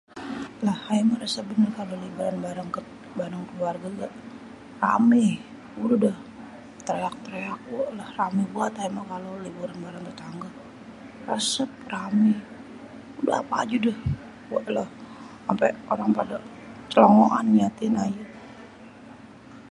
Lah ayé meh resep bener kalau liburan bareng keluarge ge ramé ude deh tereak-tereak [weelah] ruamé bet aye meh kalau libur bareng tetangge, resep, ramé udé ape aje deh, [weelah] ampe orang pade clengoan ngeliatin ayé.